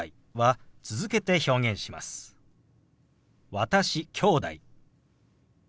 「私」「きょうだい」。